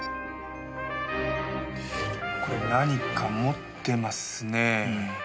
これ何か持ってますねえ。